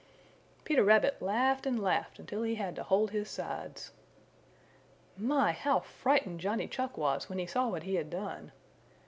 Peter Rabbit laughed and laughed until he had to hold his sides. My, how frightened Johnny Chuck was when he saw what he had done!